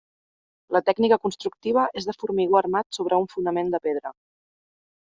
La tècnica constructiva és de formigó armat sobre un fonament de pedra.